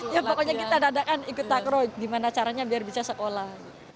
ya pokoknya kita dadakan ikut takro gimana caranya biar bisa sekolah